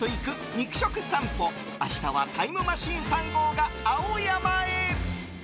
肉食さんぽ明日はタイムマシーン３号が青山へ。